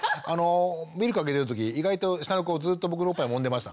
ミルクあげてる時意外と下の子ずっと僕のおっぱいもんでましたから。